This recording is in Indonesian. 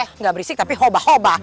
hehehe gak berisik tapi hoba hoba